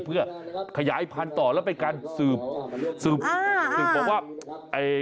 เพื่อขยายพันธุ์ต่อแล้วไปการสืบบอกว่า